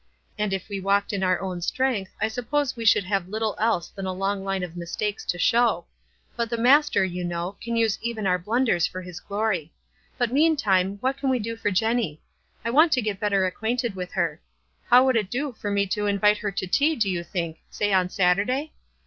" And if w T e walked in our own strength I suppose we should have little else than a long line of mistakes to show ; but the Master, you know, can use even our blunders for his glory ; but, meantime, what can we do for Jenny? I want to get better ac quainted with her. How would it do for me to invite her to tea do you think, say on Saturday